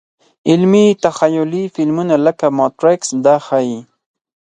علمي – تخیلي فلمونه لکه ماتریکس دا ښيي.